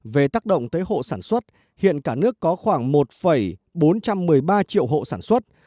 về tác động tới hộ sản xuất hiện cả nước có khoảng một bốn trăm một mươi ba triệu hộ sản xuất